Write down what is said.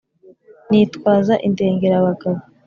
nitwaza indengerabagabo.